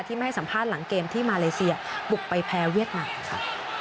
ไม่ให้สัมภาษณ์หลังเกมที่มาเลเซียบุกไปแพ้เวียดนามค่ะ